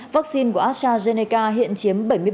vaccine của astrazeneca hiện chiếm bảy mươi bảy